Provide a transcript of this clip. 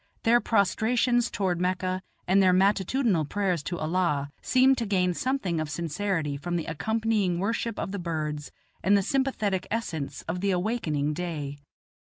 Their prostrations toward Mecca and their matutinal prayers to Allah seem to gain something of sincerity from the accompanying worship of the birds and the sympathetic essence of the awakening day.